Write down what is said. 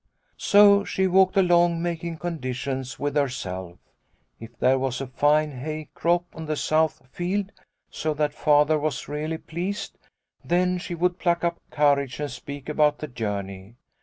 " So she walked along making conditions with herself : if there was a fine hay crop on the south field, so that Father was really pleased, then she would pluck up courage and speak about the journey.